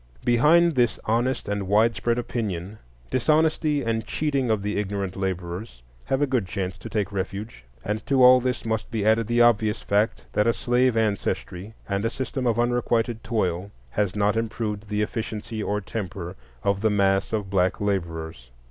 Behind this honest and widespread opinion dishonesty and cheating of the ignorant laborers have a good chance to take refuge. And to all this must be added the obvious fact that a slave ancestry and a system of unrequited toil has not improved the efficiency or temper of the mass of black laborers.